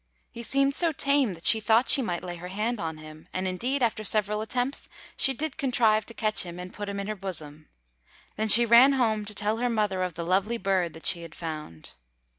He seemed so tame that she thought she might lay her hand on him, and indeed after several attempts she did contrive to catch him and put him in her bosom. Then she ran home to tell her mother of the lovely bird that she had found.